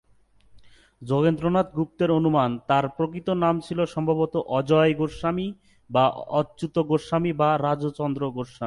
যোগেন্দ্রনাথ গুপ্তের অনুমান, তার প্রকৃত নাম ছিল সম্ভবত অজয় গোস্বামী বা অচ্যুত গোস্বামী বা রাজচন্দ্র গোস্বামী।